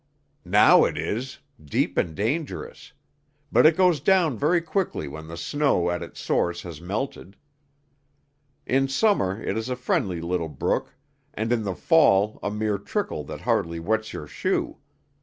"Now it is deep and dangerous. But it goes down very quickly when the snow at its source has melted. In summer it is a friendly little brook, and in the fall a mere trickle that hardly wets your shoe.